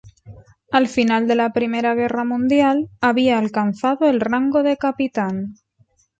Al final de la Primera Guerra Mundial, había alcanzado el rango de capitán.